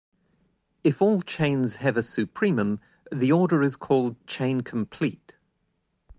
If all chains have a supremum, the order is called chain complete.